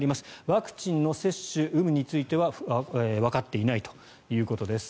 ワクチンの接種有無についてはわかっていないということです。